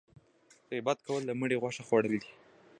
غیبت کول د مړي غوښه خوړل دي